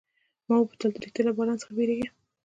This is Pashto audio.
ما وپوښتل، ته ریښتیا له باران څخه بیریږې؟